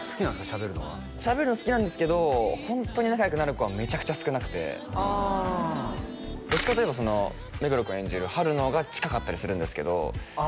しゃべるのはしゃべるの好きなんですけどホントに仲良くなる子はめちゃくちゃ少なくてあどっちかといえばその目黒君演じるハルの方が近かったりするんですけどあ